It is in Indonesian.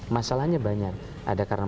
masalahnya banyak ada karena